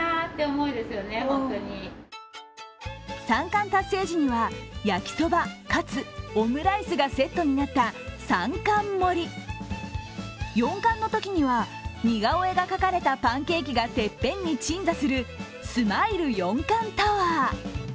三冠達成時には焼きそば、かつ、オムライスがセットになった三冠盛り、四冠のときには、似顔絵が描かれたパンケーキがてっぺんに鎮座するスマイル四冠タワー。